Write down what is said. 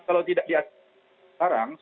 kalau tidak diakses sekarang